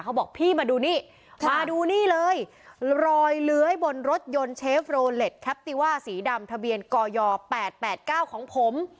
เขาบอกพี่มาดูนี่มาดูนี่เลยรอยเลื้อยบนรถยนต์เชฟโรเล็ตแคปติว่าสีดำทะเบียนกย๘๘๙ของผม